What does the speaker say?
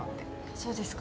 そうですか。